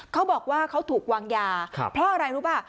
เขาบอกว่าเขาถูกวางยาเพราะอะไรรู้ป่ะ